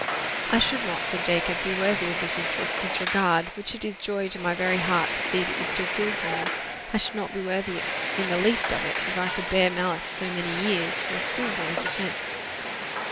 "I should not," said Jacob, "be worthy of this interest this regard, which it is joy to my very heart to see that you still feel for me I should not be worthy in the least of it, if I could bear malice so many years for a schoolboy's offence.